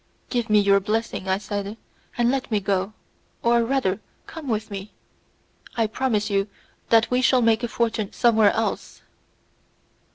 "Give me your blessing," I added, "and let me go; or, rather, come with me. I promise you that we shall make a fortune somewhere else."